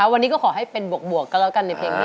วันนี้ก็ขอให้เป็นบวกกันแล้วกันในเพลงนี้